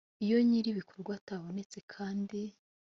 iyo nyiri ibikorwa atabonetse kandi